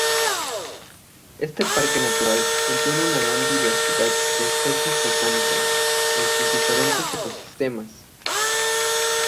Este parque natural contiene una gran diversidad de especies botánicas en sus diferentes ecosistemas.